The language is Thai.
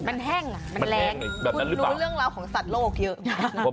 มันแห้งคุณรู้เรื่องราวของสัตว์โลกเยอะ